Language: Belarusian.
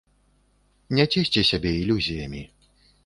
Не цешце сабе ілюзіямі.